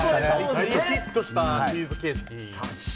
大ヒットしたクイズ形式。